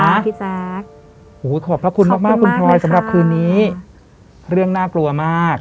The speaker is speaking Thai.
พี่แจ๊คโอ้โหขอบพระคุณมากมากคุณพลอยสำหรับคืนนี้เรื่องน่ากลัวมาก